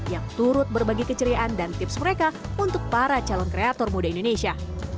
yang turut berbagi keceriaan dan tips mereka untuk para calon kreator muda indonesia